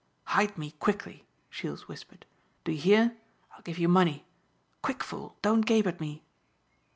"Hide me, quickly," Jules whispered, "do you hear. I will give you money. Quick, fool, don't gape at me."